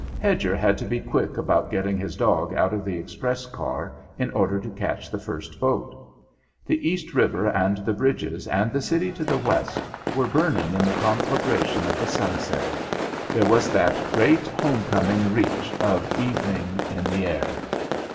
Hedger had to be quick about getting his dog out of the express car in order to catch the first boat. The East River, and the bridges, and the city to the west, were burning in the conflagration of the sunset; there was that great home coming reach of evening in the air.